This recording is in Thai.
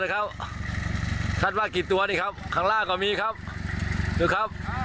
ครับคาดว่ากี่ตัวนี่ครับข้างล่างก็มีครับดูครับ